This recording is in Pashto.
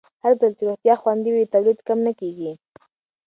هرځل چې روغتیا خوندي وي، تولید کم نه کېږي.